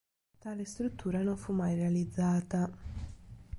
Tale struttura non fu mai realizzata.